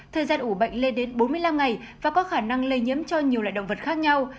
thời gian ủ bệnh lên đến bốn mươi năm ngày và có khả năng lây nhiễm cho nhiều loại động vật khác nhau